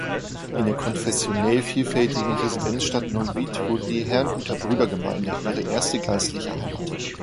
In der konfessionell vielfältigen Residenzstadt Neuwied wurde die Herrnhuter Brüdergemeine ihre erste geistliche Heimat.